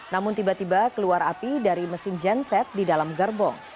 namun tiba tiba keluar api dari mesin genset di dalam gerbong